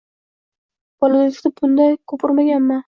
Bolalikda bunga ko’p uringanman.